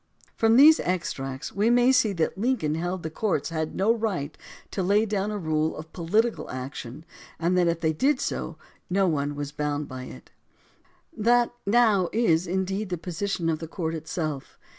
From these extracts we may see that Lincoln held that the courts had no right to lay down a rule of THE DEMOCRACY OF ABRAHAM LINCOLN 149 political action and that if they did so no one was bound by it. That now is, indeed, the position of the court itself.